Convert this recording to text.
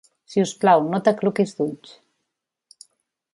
Si us plau, no t’acluquis d’ulls.